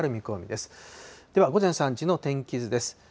では午前３時の天気図です。